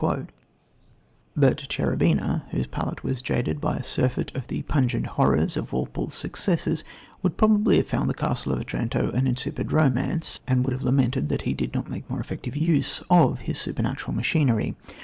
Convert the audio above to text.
But Cherubina, whose palate was jaded by a surfeit of the pungent horrors of Walpole's successors, would probably have found The Castle of Otranto an insipid romance and would have lamented that he did not make more effective use of his supernatural machinery.